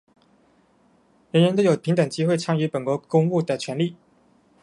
人人有平等机会参加本国公务的权利。